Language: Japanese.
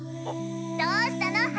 どうしたの？